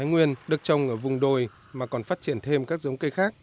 hay nguyên được trông ở vùng đồi mà còn phát triển thêm các giống cây khác